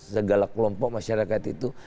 segala kelompok masyarakat itu